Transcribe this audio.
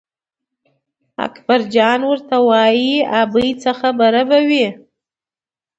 اکبرجان ورته وایي ابۍ څه خبره به وي.